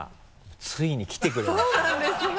ついに来てくれましたよ。